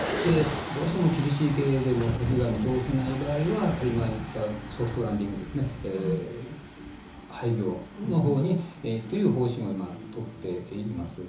どうしても厳しい経営でもう先が見通せない場合は今言った、ソフトランディング廃業のほうにという方針を今、とっています。